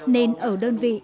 nên ở đơn vị